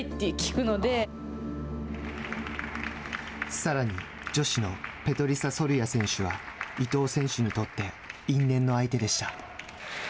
さらに女子のペトリサ・ソルヤ選手は伊藤選手にとって因縁の相手でした。